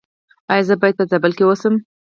ایا زه باید په زابل کې اوسم؟